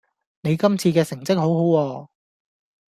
你今次嘅成績好好喎